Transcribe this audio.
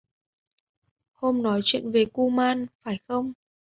hôm nói chuyện về kuman phải không